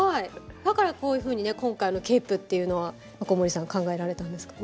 だからこういうふうにね今回ケープっていうのは横森さん考えられたんですかね？